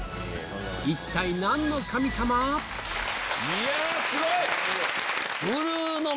いやすごい！